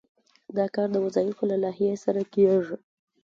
دا کار د وظایفو له لایحې سره کیږي.